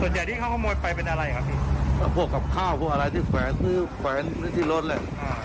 ใหญ่ที่เขาขโมยไปเป็นอะไรครับพี่พวกกับข้าวพวกอะไรที่แขวนซื้อแขวนไว้ที่รถแหละ